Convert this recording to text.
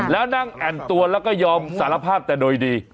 แล้วนั่งแอ่นตัวแล้วก็ยอมสารภาพแต่โดยดี